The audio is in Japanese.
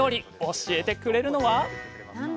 教えてくれるのは？